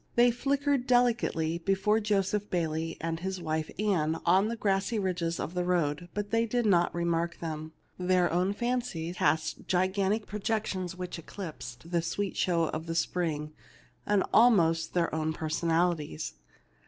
They flickered delicately before Joseph Bayley and his wife Ann on the grassy ridges of the road, but they did not remark them. Their own fancies r 225 THE LITTLE MAID AT THE DOOR cast gigantic projections which eclipsed the sweet show of the spring and almost their own person alities.